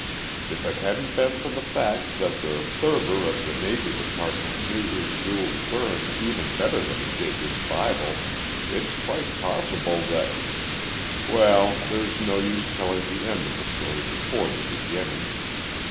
If it hadn't been for the fact that Thurber of the Navy Department knew his Jules Vernes even better than he did his Bible, it's quite possible that "Well, there's no use telling the end of the story before the beginning.